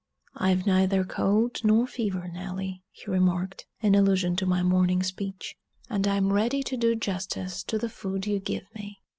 "I've neither cold nor fever, Nelly," he remarked, in allusion to my morning speech. "And I'm ready to do justice to the food you give me."